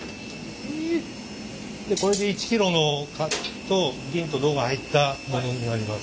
これで１キロの銀と銅が入ったものになります。